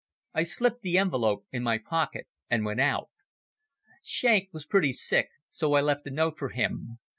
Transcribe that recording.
I slipped the envelope in my pocket and went out. Schenk was pretty sick, so I left a note for him.